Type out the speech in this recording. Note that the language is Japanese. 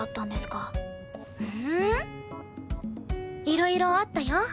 いろいろあったよ。